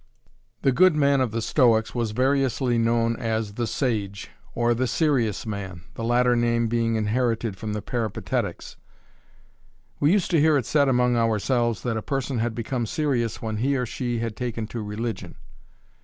The good man of the Stoics was variously known as 'the sage', or, 'the serious man', the latter name being inherited from the Peripatetics. We used to hear it said among ourselves that a person had become serious, when he or she had taken to religion.